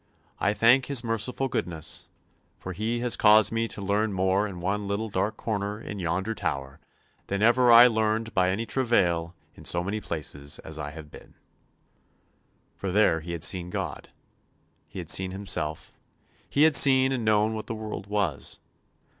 I thank His merciful goodness, for He has caused me to learn more in one little dark corner in yonder Tower than ever I learned by any travail in so many places as I have been." For there he had seen God; he had seen himself; he had seen and known what the world was.